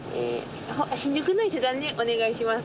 新宿の伊勢丹でお願いします。